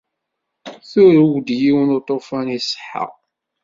Turew-d yiwen uṭufan iṣeḥḥa.